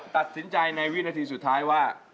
ตัดสินใจในวินาทีสุดท้ายว่า